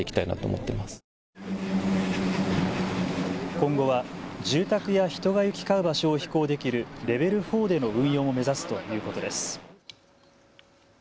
今後は住宅や人が行き交う場所を飛行できるレベル４での運用も目指すということです。